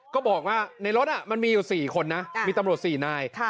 ก็บอกว่ามีกับรถมี๔คนนะมีตำรวจ๔นาย